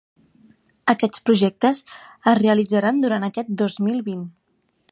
Aquests projectes es realitzaran durant aquest dos mil vint.